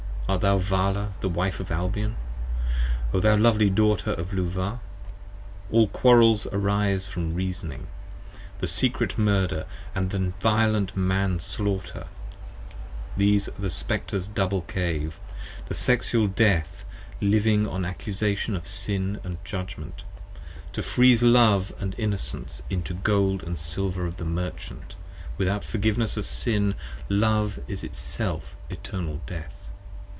Art thou Vala the Wife of Albion, O thou lovely Daughter of Luvah? 20 All Quarrels arise from Reasoning, the secret Murder, and The violent Man slaughter, these are the Spectre's double Cave: The Sexual Death living on accusation of Sin & Judgment, To freeze Love & Innocence into the gold & silver of the Merchant. Without Forgiveness of Sin Love is Itself Eternal Death.